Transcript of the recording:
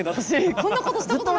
こんなことしたことなかった。